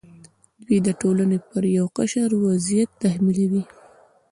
دوی د ټولنې پر یو قشر وضعیت تحمیلوي.